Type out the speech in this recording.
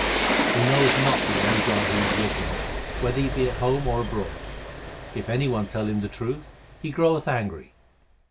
He knoweth not the one God who is with him whether he be at home or abroad ; if any one tell him the truth, he groweth angry.